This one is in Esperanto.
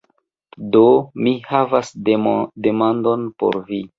Do, mi havas demandon por vi.